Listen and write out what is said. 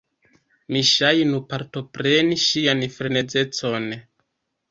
Mi ŝajnu partopreni ŝian frenezecon.